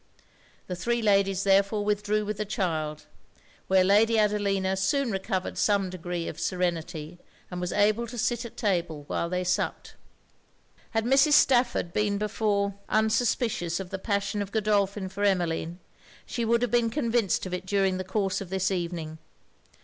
The three ladies therefore withdrew with the child; where Lady Adelina soon recovered some degree of serenity, and was able to sit at table while they supped. Had Mrs. Stafford been before unsuspicious of the passion of Godolphin for Emmeline, she would have been convinced of it during the course of this evening.